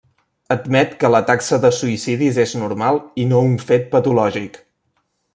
Admet que la taxa de suïcidis és normal i no un fet patològic.